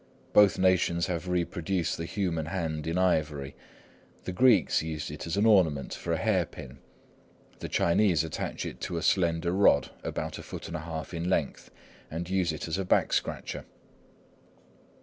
Both nations have reproduced the human hand in ivory; the Greeks used it as an ornament for a hairpin; the Chinese attach it to a slender rod about a foot and a half in length, and use it as a back scratcher.